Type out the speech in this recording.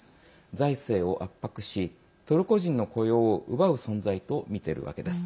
財政を圧迫し、トルコ人の雇用を奪う存在と見ているわけです。